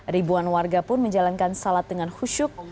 ribuan warga pun menjalankan salat dengan khusyuk